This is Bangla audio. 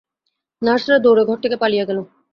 নার্সরা দৌড়ে ঘর থেকে পালিয়ে গেল।